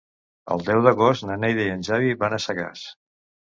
El deu d'agost na Neida i en Xavi van a Sagàs.